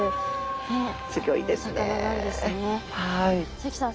関さん